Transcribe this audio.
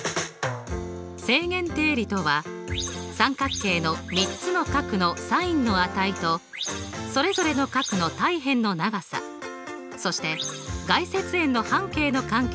正弦定理とは三角形の３つの角のｓｉｎの値とそれぞれの角の対辺の長さそして外接円の半径の関係を示したもの。